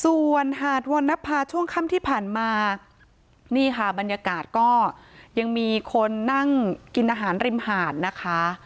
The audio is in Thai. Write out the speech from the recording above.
ส่วนหาดวรรณภาช่วงค่ำที่ผ่านมานี่ค่ะบรรยากาศก็ยังมีคนนั่งกินอาหารริมหาดนะคะ